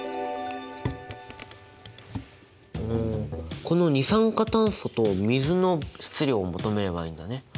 おこの二酸化炭素と水の質量を求めればいいんだね。